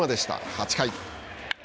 ８回。